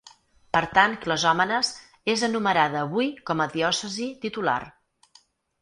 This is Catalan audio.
Per tant, Clazòmenes és enumerada avui com a diòcesi titular.